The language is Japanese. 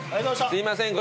すいません